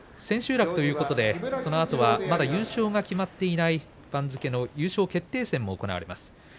千秋楽ということでそのあとはまだ優勝が決まっていない番付の優勝決定戦が行われます。